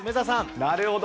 なるほど。